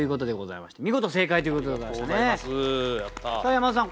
山田さん